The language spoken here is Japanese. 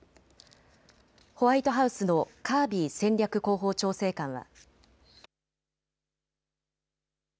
ホワイトハウスのカービー戦略広報調整官は。